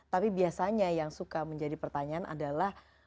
tapi biasanya yang suka menjadi pertanyaan adalah